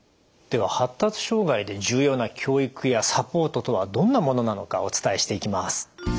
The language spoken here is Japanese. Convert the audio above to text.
では発達障害で重要な教育やサポートとはどんなものなのかお伝えしていきます。